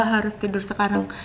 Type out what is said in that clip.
harus tidur sekarang